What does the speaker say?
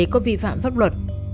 có vi phạm pháp luật